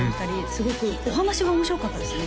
すごくお話が面白かったですね